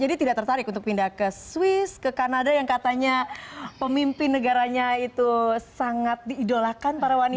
jadi tidak tertarik untuk pindah ke swiss ke kanada yang katanya pemimpin negaranya itu sangat diidolakan para wanita